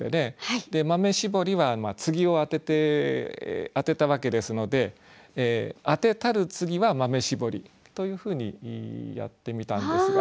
で豆絞りは継ぎを当てたわけですので「当てたる継は豆絞り」というふうにやってみたんですが。